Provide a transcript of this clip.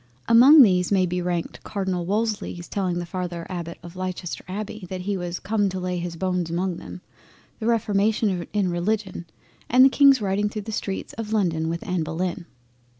Among these may be ranked Cardinal Wolsey's telling the father Abbott of Leicester Abbey that "he was come to lay his bones among them," the reformation in Religion and the King's riding through the streets of London with Anna Bullen.